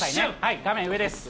画面上です。